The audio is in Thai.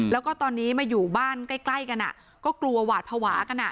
แล้วก็ตอนนี้มาอยู่บ้านใกล้กันก็กลัวหวาดภาวะกัน